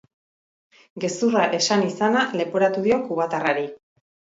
Gezurra esan izana leporatu dio kubatarrari.